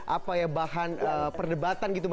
apa ya bahan perdebatan gitu